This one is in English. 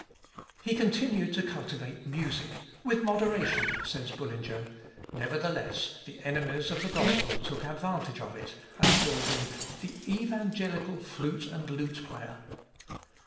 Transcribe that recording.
] He continued to cultivate music "with moderation," says Bullinger: nevertheless the enemies of the gospel took advantage of it, and called him "The evangelical flute and lute player."